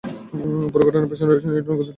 পুরো ঘটনার পেছনের রয়েছে নিউটনের গতির তৃতীয় সূত্র।